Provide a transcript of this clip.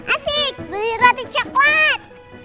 asik beli roti coklat